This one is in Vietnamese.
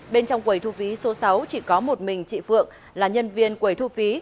bên trong quầy thu phí số sáu chỉ có một mình chị phượng là nhân viên quầy thu phí